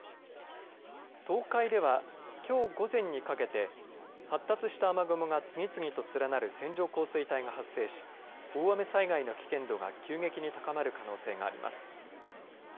東海ではきょう午前にかけて発達した雨雲が次々と連なる線状降水帯が発生し大雨災害の危険性が急激に高まる可能性があります。